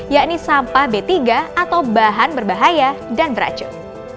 yakni sampah b tiga atau bahan berbahaya dan beracun